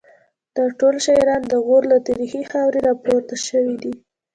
دا ټول شاعران د غور له تاریخي خاورې راپورته شوي دي